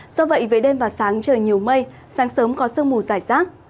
do vậy về đêm và sáng trời nhiều mây sáng sớm có sương mù dài rác